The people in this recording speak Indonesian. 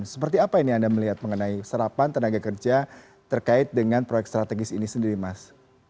seperti apa ini anda melihat mengenai serapan tenaga kerja terkait dengan proyek strategis ini sendiri mas